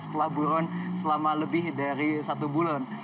setelah buron selama lebih dari satu bulan